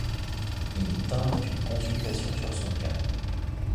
Ils tinrent une consultation sur son cas.